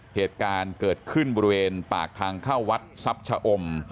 เหตุการณ์เกิดขึ้นบริเวณปากทางเข้าวัดทรัพย์ชะอม